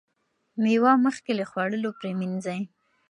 مېوه مخکې له خوړلو پریمنځئ.